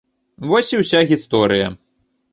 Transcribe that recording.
Вось і ўся гісторыя!